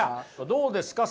どうですか？